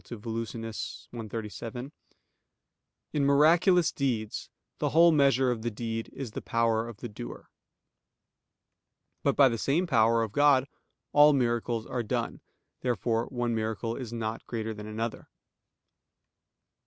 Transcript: ad Volusian. cxxxvii): "In miraculous deeds, the whole measure of the deed is the power of the doer." But by the same power of God all miracles are done. Therefore one miracle is not greater than another. Obj.